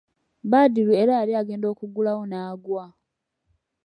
Badru era yali agenda okugulawo n'aggwa.